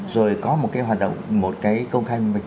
rồi có một cái hoạt động một cái công khai minh bạch